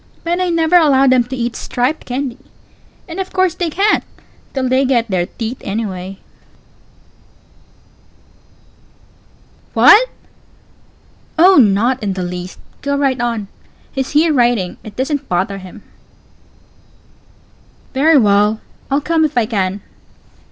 But I never allow them to eat striped candy. And of course they can't, till they get their teeth, anyway. Pause. What? Pause. Oh, not in the least go right on. He's here writing it doesn't bother him. Pause. Very well, I'll come if I canI'll come if I can.